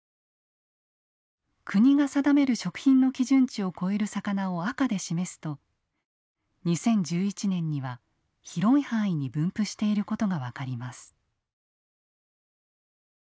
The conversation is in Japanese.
国が定める食品の基準値を超える魚を赤で示すと２０１１年には広い範囲に分布していることが分かります。